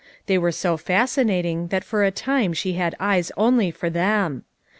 They were so fascinating that for a time she had eyes only for them.